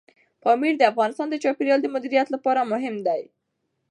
پامیر د افغانستان د چاپیریال د مدیریت لپاره مهم دي.